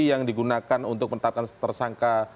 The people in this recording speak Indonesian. yang digunakan untuk menetapkan tersangka